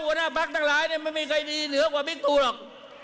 หัวหน้าพักทั้งหลายเนี่ยไม่มีใครดีเหนือกว่าบิ๊กตูหรอก